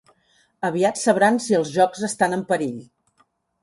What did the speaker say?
Aviat sabran si els jocs estan en perill.